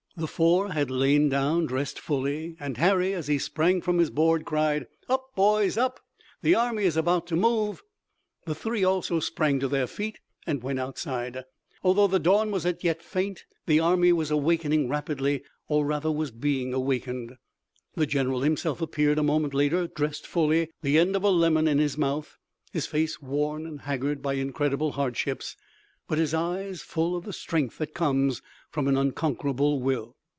The four had lain down dressed fully, and Harry, as he sprang from his board, cried: "Up, boys, up! The army is about to move!" The three also sprang to their feet, and went outside. Although the dawn was as yet faint, the army was awakening rapidly, or rather was being awakened. The general himself appeared a moment later, dressed fully, the end of a lemon in his mouth, his face worn and haggard by incredible hardships, but his eyes full of the strength that comes from an unconquerable will.